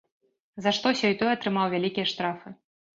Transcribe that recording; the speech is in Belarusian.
За што сёй-той атрымаў вялікія штрафы.